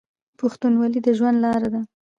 پښتونولي د ژوند لاره ده.